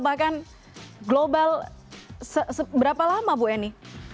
bahkan global seberapa lama bu eni